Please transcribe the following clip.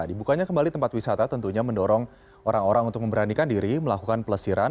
dibukanya kembali tempat wisata tentunya mendorong orang orang untuk memberanikan diri melakukan pelesiran